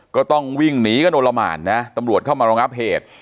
ก็ต้องวิ่งหนีกันโอละหมานนะตำรวจเข้ามารองับเหตุ